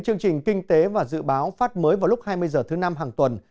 chương trình kinh tế và dự báo phát mới vào lúc hai mươi h thứ năm hàng tuần